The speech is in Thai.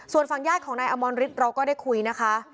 ส่วนฝั่งญาติของนายอมรฤทธิ์เราก็ได้คุยนะคะ